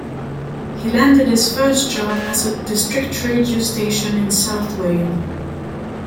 He landed his first job at a district radio station in south Wales.